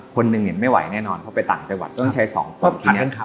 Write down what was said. คนหนึ่งเนี่ยไม่ไหวแน่นอนเพราะไปต่างจังหวัดต้องใช้๒คนทีนี้